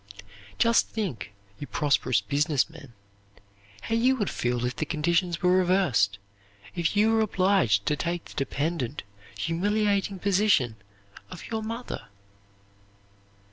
Just think, you prosperous business men, how you would feel if the conditions were reversed, if you were obliged to take the dependent, humiliating position of your mother!